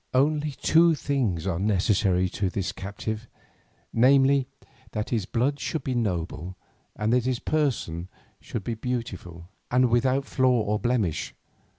Only two things are necessary to this captive, namely, that his blood should be noble, and that his person should be beautiful and without flaw or blemish.